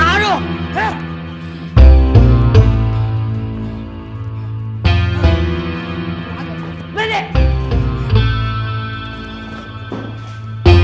kamu harus pergi